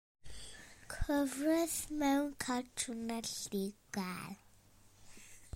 Cyfres mewn cartwnau lliwgar.